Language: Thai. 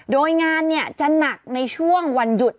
โดยงานจะหนักในช่วงวันหยุด